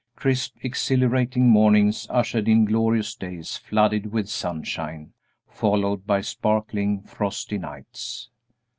Crisp, exhilarating mornings ushered in glorious days flooded with sunshine, followed by sparkling, frosty nights.